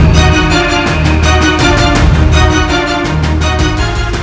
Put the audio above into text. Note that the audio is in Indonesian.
melihat satu nodo